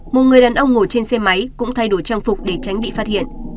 một người đàn ông ngồi trên xe máy cũng thay đổi trang phục để tránh bị phát hiện